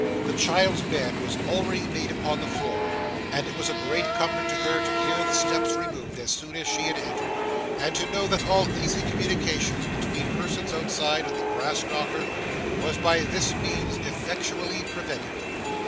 The child's bed was already made upon the floor, and it was a great comfort to her to hear the steps removed as soon as she had entered, and to know that all easy communication between persons outside and the brass knocker was by this means effectually prevented.